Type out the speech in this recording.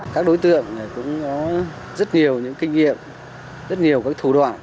các đối tượng cũng có rất nhiều những kinh nghiệm rất nhiều các thủ đoạn